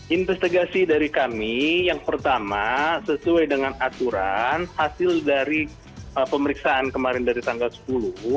investigasi dari kami yang pertama sesuai dengan aturan hasil dari pemeriksaan kemarin dari tanggal sepuluh